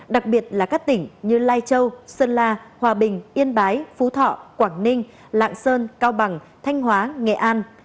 đặc biệt là các tỉnh như lai châu sơn la hòa bình yên bái phú thọ quảng ninh lạng sơn cao bằng thanh hóa nghệ an